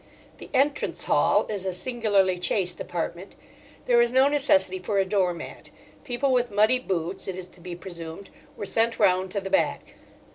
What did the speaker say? The "Entrance Hall" is a singularly chaste apartment. There is no necessity for a door mat: people with muddy boots, it is to be presumed, were sent round to the back.